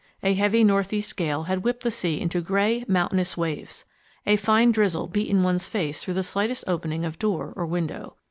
A heavy northeast gale had whipped the sea into gray, mountainous waves. A fine drizzle beat in one's face through the slightest opening of door or window.